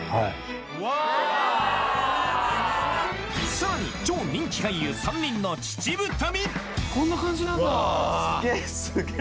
さらに超人気俳優３人の秩父旅！